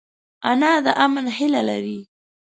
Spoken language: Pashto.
انا د امن هیله لري